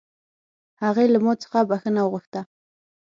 هغې له ما څخه بښنه وغوښته